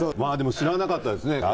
でも知らなかったですね